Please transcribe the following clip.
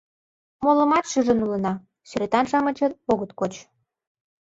Молымат шижын улына: сӱретан-шамычет огыт коч.